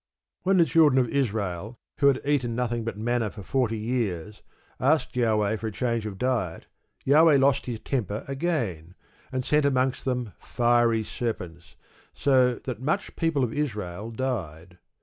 When the children of Israel, who had eaten nothing but manna for forty years, asked Jahweh for a change of diet, Jahweh lost his temper again, and sent amongst them "fiery serpents," so that "much people of Israel died."